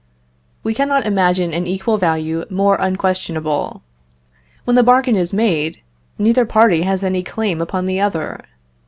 We cannot imagine an equal value more unquestionable. When the bargain is made, neither party has any claim upon the other.